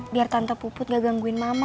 biar tante puput gak gangguin mama